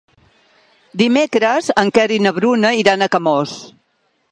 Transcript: Dimecres en Quer i na Bruna iran a Camós.